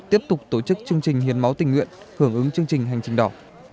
tiếp tục tổ chức chương trình hiến máu tình nguyện hưởng ứng chương trình hành trình đỏ